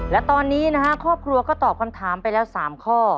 และตอนนี้นะฮะครอบครัวก็ตอบคำถามไปแล้ว๓ข้อ